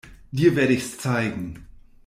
Dir werd ich's zeigen.